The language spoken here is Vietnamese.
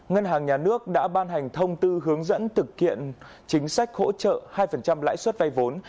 ngân hàng nhà nước đã ban hành thông tư hướng dẫn thực hiện chính sách hỗ trợ hai lãi suất vay vốn